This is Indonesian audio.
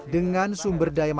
dengan sumber daya matangnya